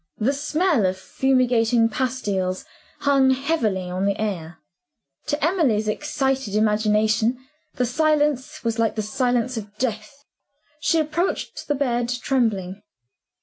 The smell of fumigating pastilles hung heavily on the air. To Emily's excited imagination, the silence was like the silence of death. She approached the bed trembling.